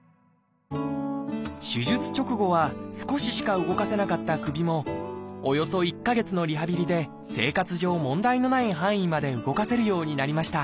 手術直後は少ししか動かせなかった首もおよそ１か月のリハビリで生活上問題のない範囲まで動かせるようになりました。